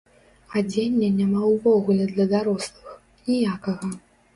Адзення няма ўвогуле для дарослых, ніякага.